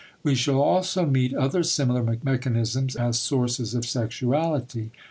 We shall also meet other similar mechanisms as sources of sexuality.